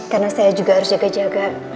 karena saya juga harus jaga jaga